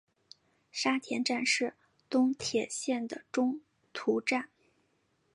沙田站是东铁线的中途站。